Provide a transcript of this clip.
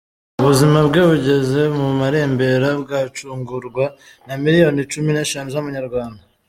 Ubuzima bwe bugeze mu marembera, bwacungurwa na miliyoni cumi neshanu z’Amanyarwanda